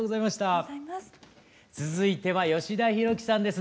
続いては吉田ひろきさんです。